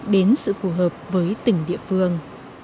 đến sự phù hợp với tỉnh địa phương